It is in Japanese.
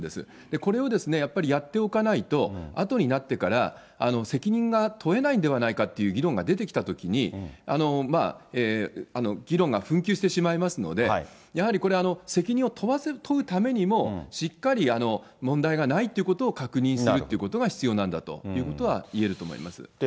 これをやっぱりやっておかないと、あとになってから責任が問えないんではないかって議論が出てきたときに、議論が紛糾してしまいますので、やはりこれ、責任を問うためにも、しっかり問題がないということを確認するっていうことが必要なんだということは言えると思います。